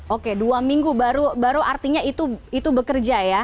oke dua minggu baru artinya itu bekerja ya